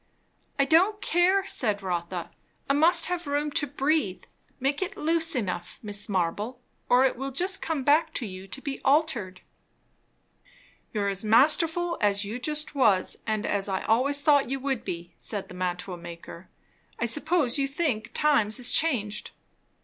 "I don't care," said Rotha. "I must have room to breathe. Make it loose enough, Mrs. Marble, or it will just come back to you to be altered." "You're as masterful as you just was, and as I always thought you would be," said the mantua maker. "I suppose you think times is changed."